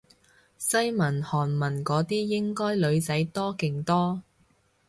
西文韓文嗰啲應該女仔多勁多